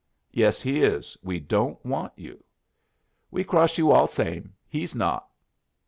"Yes, he is. We don't want you." "We cross you all same. He not."